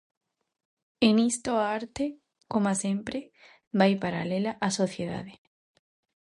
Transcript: E nisto a arte, coma sempre, vai paralela á sociedade.